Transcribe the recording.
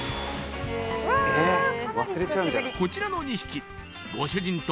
こちらの２匹ご主人と